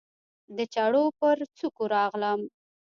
د چړو پر څوکو راغلم